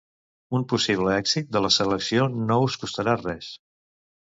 Un possible èxit de la selecció no us costarà res.